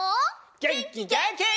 げんきげんき！